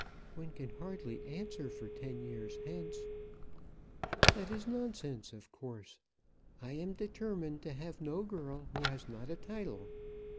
"One can hardly answer for ten years hence." "That is nonsense, of course. I am determined to have no girl who has not a title.